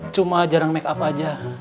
cuma jarang make up aja